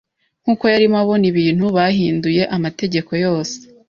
Nkuko yarimo abona ibintu, bahinduye amategeko yose.